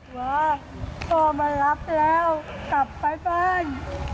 ว่าพ่อมารับแล้วกลับไปบ้าน